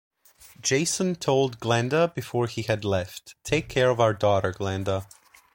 Jason told Glenda before he had left, Take care of our daughter, Glenda.